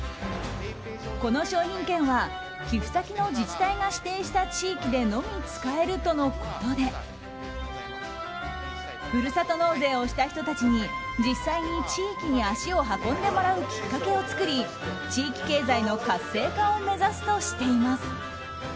この商品券は寄付先の自治体が指定した地域でのみ使えるとのことでふるさと納税をした人たちに実際に地域に足を運んでもらうきっかけを作り地域経済の活性化を目指すとしています。